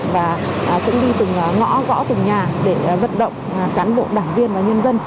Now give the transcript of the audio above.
và cũng đi từng ngõ gõ từng nhà để vận động cán bộ đảng viên và nhân dân